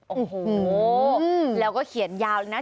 โอ้โหแล้วก็เขียนยาวนะ